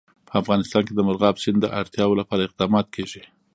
په افغانستان کې د مورغاب سیند د اړتیاوو لپاره اقدامات کېږي.